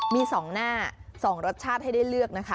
มี๒หน้า๒รสชาติให้ได้เลือกนะคะ